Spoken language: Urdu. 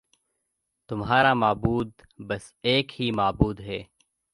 تمہارا معبود بس ایک ہی معبود ہے